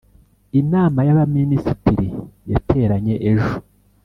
Inama y’Abaminisitiri yateranye ejo